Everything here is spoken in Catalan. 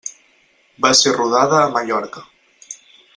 Va ser rodada a Mallorca.